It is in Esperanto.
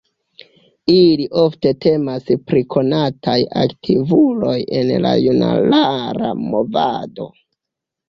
Ili ofte temas pri konataj aktivuloj en la junulara movado.